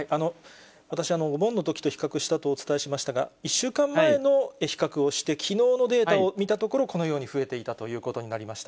私、お盆のときと比較したとお伝えしましたが、１週間前の比較をして、きのうのデータを見たところ、このように増えていたということになりました。